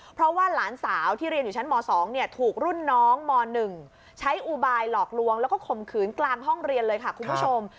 เพราะว่าหลานสาวที่เรียนอยู่ชั้นม๒ถูกรุ่นน้องม๑ใช้อุบายหลอกลวงแล้วก็ข่มขืนกลางห้องเรียนเลยค่ะคุณผู้ชม